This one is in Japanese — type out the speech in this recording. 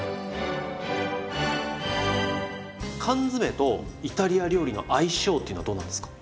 缶詰とイタリア料理の相性っていうのはどうなんですか？